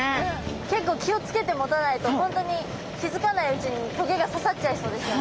結構気を付けて持たないと本当に気付かないうちに棘がささっちゃいそうですよね。